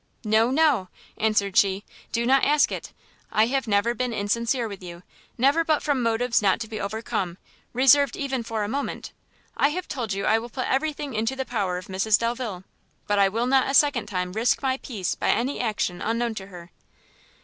"No, no," answered she, "do not ask it! I have never been insincere with you, never but from motives not to be overcome, reserved even for a moment; I have told you I will put every thing into the power of Mrs Delvile, but I will not a second time risk my peace by any action unknown to her."